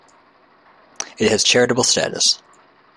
It has charitable status.